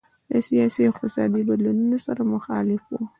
له سیاسي او اقتصادي بدلونونو سره مخالف وو.